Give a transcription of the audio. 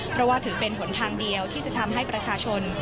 เพราะว่าถือเป็นหนทางเดียวที่จะทำให้ประชาชน